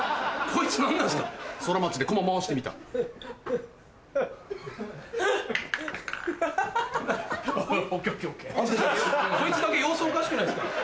こいつだけ様子おかしくないですか？